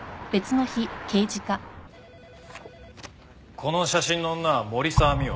この写真の女は森沢未央。